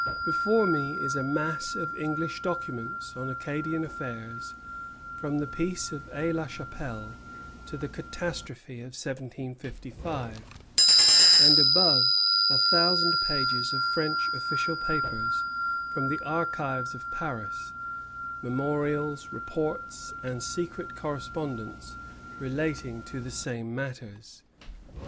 Before me is a mass of English documents on Acadian affairs from the peace of Aix la Chapelle to the catastrophe of 1755, and above a thousand pages of French official papers from the archives of Paris, memorials, reports, and secret correspondence, relating to the same matters.